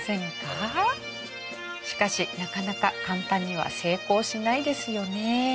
しかしなかなか簡単には成功しないですよね。